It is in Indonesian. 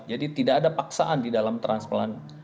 jadi tidak ada paksaan di dalam transplant